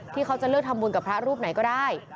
เขาจะเลือกทำบุญกับพระรูปไหนก็ได้